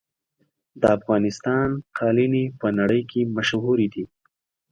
د افغانستان قالینې په نړۍ کې مشهورې دي.